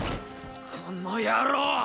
この野郎ッ！